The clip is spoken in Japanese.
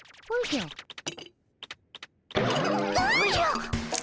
おじゃ！